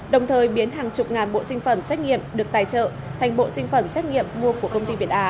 đồng thời biến hàng chục ngàn bộ sinh phẩm xét nghiệm được tài trợ thành bộ sinh phẩm